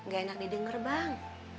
gak enak didenger bang